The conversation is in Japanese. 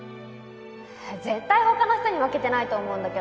絶対他の人に負けてないと思うんだけどな。